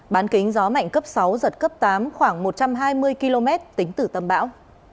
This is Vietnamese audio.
bán kính gió mạnh cấp sáu giật cấp tám khoảng một trăm hai mươi km tính từ tâm bão